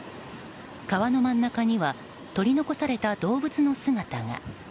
川の真ん中には取り残された動物の姿が。